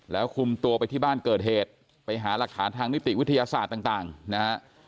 แล้วคุมตัวไปที่บ้านเกิดเหตุไปหารักฐานทางนิติวิทยาศาสตร์ต่างนะฮะ